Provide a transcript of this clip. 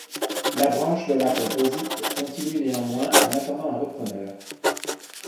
La branche Lola Composites continue néanmoins en attendant un repreneur.